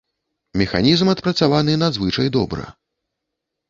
Механізм адпрацаваны надзвычай добра.